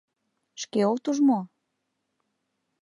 Шке от уж мо?